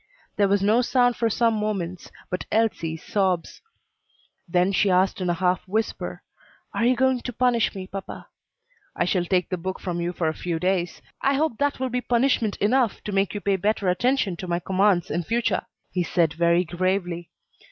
There was no sound for some moments but Elsie's sobs. Then she asked in a half whisper, "Are you going to punish me, papa?" "I shall take the book from you for a few days; I hope that will be punishment enough to make you pay better attention to my commands in future," he said very gravely.